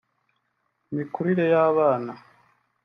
imikurire y’abana